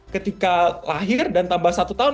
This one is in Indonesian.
ketika lahir dan tambah satu tahun